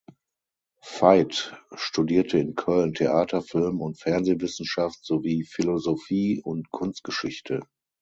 Veith studierte in Köln Theater-, Film- und Fernsehwissenschaft sowie Philosophie und Kunstgeschichte.